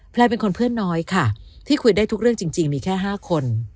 เป็นคนเพื่อนน้อยค่ะที่คุยได้ทุกเรื่องจริงมีแค่๕คน